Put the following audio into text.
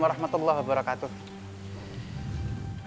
wa rahmatullah wabarakatuh